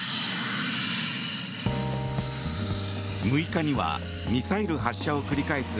６日にはミサイル発射を繰り返す